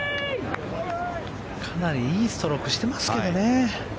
かなりいいストロークしてますけどね。